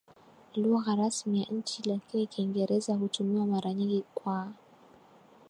lugha rasmi ya nchi lakini Kiingereza hutumiwa mara nyingi kwa